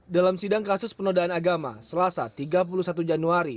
dalam sidang kasus penodaan agama selasa tiga puluh satu januari